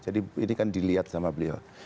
jadi ini kan dilihat sama beliau